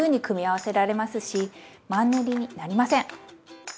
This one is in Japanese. マンネリになりません！